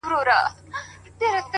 پربت باندي يې سر واچوه,